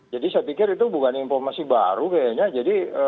jadi saya pikir itu bukan informasi baru kayaknya